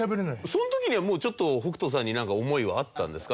その時にはもうちょっと北斗さんになんか思いはあったんですか？